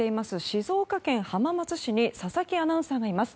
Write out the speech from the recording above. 静岡県浜松市に佐々木アナウンサーがいます。